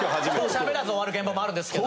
喋らず終わる現場もあるんですけど。